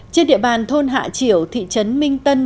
trên địa bàn thôn hạ triểu thị trấn minh tân